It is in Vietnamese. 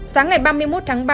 sáng ngày ba mươi một tháng ba